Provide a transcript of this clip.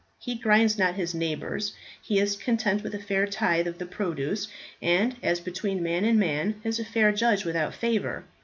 He grinds not his neighbours, he is content with a fair tithe of the produce, and as between man and man is a fair judge without favour.